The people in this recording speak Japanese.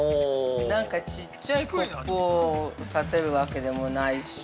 ちっちゃいコップを立てるわけでもないし。